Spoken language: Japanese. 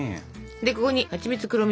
でここにはちみつ黒蜜